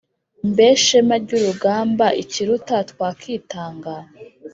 mbe shema ryurugamba ikiruta twakitanga?"